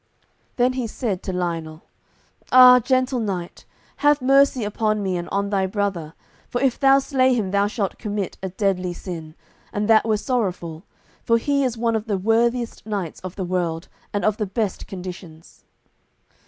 Then he said to Lionel, "Ah, gentle knight, have mercy upon me and on thy brother, for if thou slay him thou shalt commit a deadly sin, and that were sorrowful; for he is one of the worthiest knights of the world, and of the best conditions."